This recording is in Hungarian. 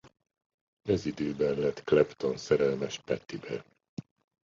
Ez időben lett Clapton szerelmes Pattie-be.